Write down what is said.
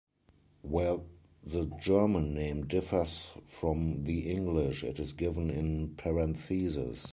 Where the German name differs from the English, it is given in parentheses.